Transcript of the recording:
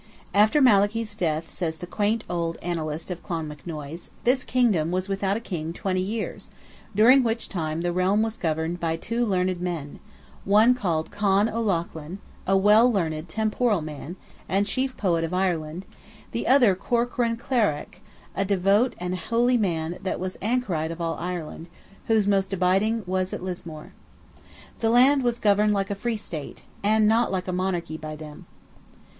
"After Malachy's death," says the quaint old Annalist of Clonmacnoise, "this kingdom was without a king 20 years, during which time the realm was governed by two learned men; the one called Con O'Lochan, a well learned temporal man, and chief poet of Ireland; the other Corcran Claireach, a devout and holy man that was anchorite of all Ireland, whose most abiding was at Lismore. The land was governed like a free state, and not like a monarchy by them."